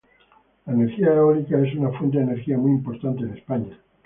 La energía eólica es una fuente de energía muy importante en España.